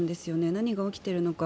何が起きているのか。